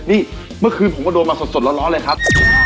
นี่เมื่อคืนผมก็โดนมาสดร้อนเลยครับ